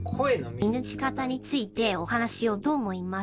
見抜き方についてお話ししようと思います。